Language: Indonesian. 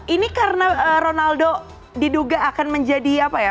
ini karena ronaldo diduga akan menjadi apa ya